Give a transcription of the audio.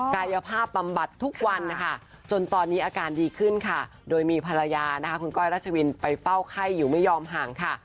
กายภาพบำบัดทุกวันนะคะจนตอนนี้อาการดีขึ้นค่ะโดยมีภรรยานะคะคุณก้อยรัชวินไปเฝ้าไข้อยู่ไม่ยอมห่างค่ะ